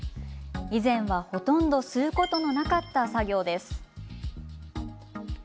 以前は、ほとんどすることのなかった作業です。